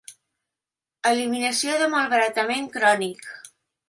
Eliminació de malbaratament crònic: